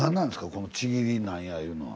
このちぎりなんやいうのは。